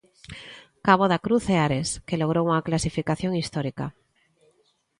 Cabo da Cruz e Ares, que logrou unha clasificación histórica.